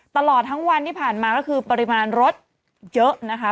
ตลอดทั้งวันที่ผ่านมาก็คือปริมาณรถเยอะนะคะ